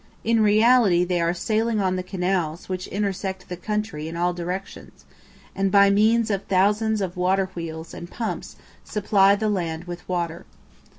In reality they are sailing on the canals which intersect the country in all directions, and by means of thousands of water wheels and pumps supply the land with water.